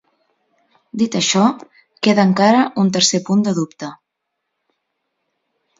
Dit això, queda encara un tercer punt de dubte.